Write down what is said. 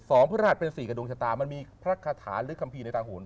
สองพระราชเป็นสิบเอ็ดแก่ดวงชะตามันมีพระคาถารึกคัมภีร์ในตังค์โหล